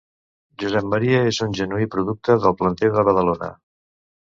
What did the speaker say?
Josep Maria és un genuí producte del planter de Badalona.